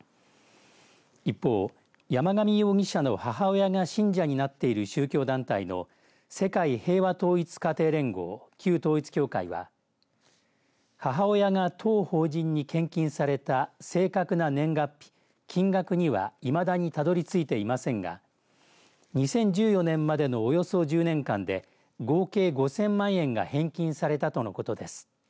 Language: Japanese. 一方、山上容疑者の母親が信者になっている宗教団体の世界平和統一家庭連合旧統一教会は母親が当法人に献金された正確な年月日金額にはいまだにたどりついていませんが２０１４年までのおよそ１０年間で合計５０００万円が返金されたとのことです。